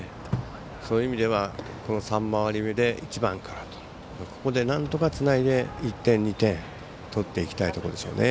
そういう意味ではこの３回り目で１番からとここで、なんとかつないで１点、２点取っていきたいところでしょうね。